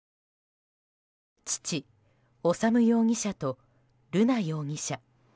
父・修容疑者と瑠奈容疑者。